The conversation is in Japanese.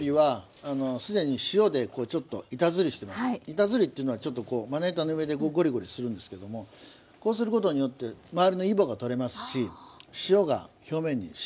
板ずりっていうのはちょっとこうまな板の上でゴリゴリするんですけどもこうすることによって周りのいぼが取れますし塩が表面にしみますね。